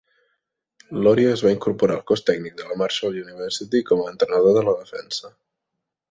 Loria es va incorporar al cos tècnic de la Marshall University com a entrenador de la defensa.